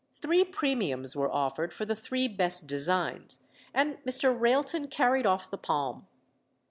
Three premiums were offered for the three best designs, and Mr. Railton carried off the palm.